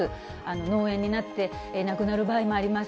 脳炎になって、亡くなる場合もあります。